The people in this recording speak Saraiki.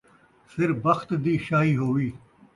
سِر بخت دی شاہی ہووی